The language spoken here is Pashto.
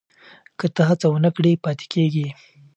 که ته هڅه ونه کړې پاتې کېږې.